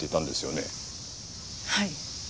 はい。